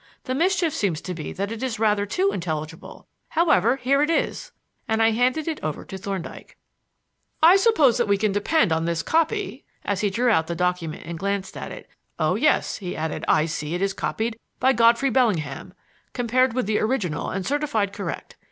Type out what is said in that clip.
The mischief seems to be that it is rather too intelligible. However, here it is," and I handed it over to Thorndyke. "I suppose that we can depend on this copy," said the latter, as he drew out the document and glanced at it. "Oh, yes," he added, "I see it is copied by Godfrey Bellingham, compared with the original and certified correct.